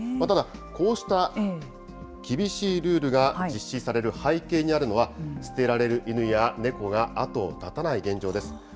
ただ、こうした厳しいルールが実施される背景にあるのは、捨てられる犬や猫が後を絶たない現状です。